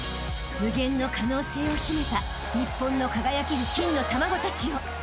［無限の可能性を秘めた日本の輝ける金の卵たちよ］